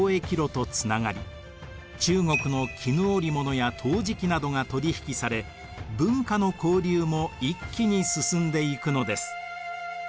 中国の絹織物や陶磁器などが取り引きされ文化の交流も一気に進んでいくのです。